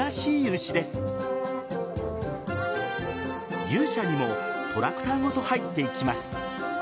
牛舎にもトラクターごと入っていきます。